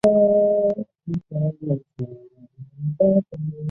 佩尔东伊斯是巴西米纳斯吉拉斯州的一个市镇。